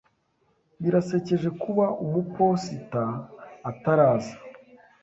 Birasekeje kuba umuposita ataraza.